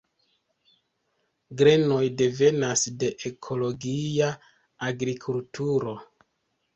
Grenoj devenas de ekologia agrikulturo.